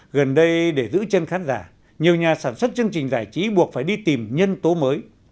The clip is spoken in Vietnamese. gần đây để giữ chân khán giả nhiều nhà sản xuất chương trình giải trí buộc phải đi tìm nhân tố mới